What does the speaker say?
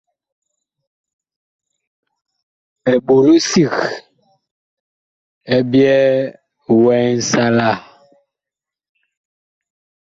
Eɓolo sig ɛ byɛɛ wɛɛ nsalaa.